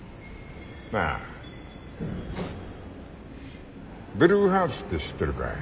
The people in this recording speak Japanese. なあブルーハーツって知ってるかい？